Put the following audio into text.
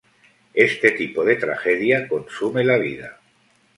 Este tipo de tragedia consume la vida.